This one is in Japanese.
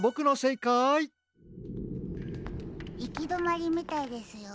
いきどまりみたいですよ。